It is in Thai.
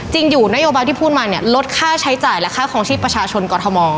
อยู่นโยบายที่พูดมาเนี่ยลดค่าใช้จ่ายและค่าคลองชีพประชาชนกรทม